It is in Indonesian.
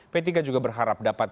p tiga juga berharap dapat